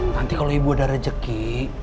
nanti kalau ibu ada rejeki